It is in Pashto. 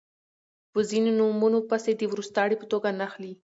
په ځینو نومونو پسې د وروستاړي په توګه نښلی